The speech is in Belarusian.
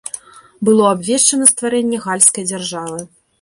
Было абвешчана стварэнне гальскай дзяржавы.